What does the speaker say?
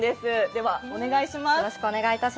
では、お願いします。